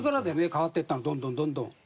変わっていったのどんどんどんどん。